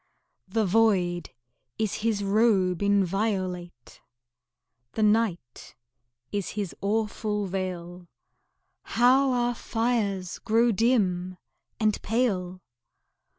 The void is his robe inviolate, The night is his awful veil How our fires grow dim and pale!